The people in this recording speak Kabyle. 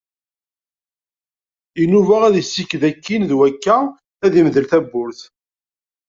Inuba ad yessiked akkin d wakka ad yemdel tawwurt.